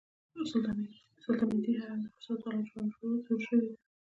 سلطنتي حرم د فساد ځاله انځور شوې ده.